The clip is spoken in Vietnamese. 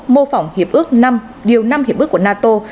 mô phỏng hiệp ước năm điều năm hiệp ước của nato